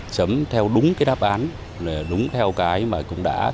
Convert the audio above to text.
chấm theo đúng cái đáp án đúng theo cái mà cũng đã